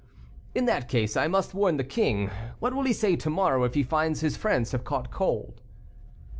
"In that case I must warn the king; what will he say to morrow, if he finds his friends have caught cold?"